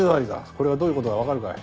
これがどういう事かわかるかい。